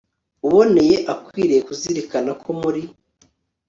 uboneye akwiriye kuzirikana ko muri